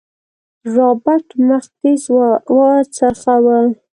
رابرټ مخ تېز وڅرخوه.